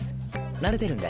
慣れてるんで。